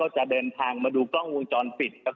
จะเดินทางมาดูกล้องมูลจรปิด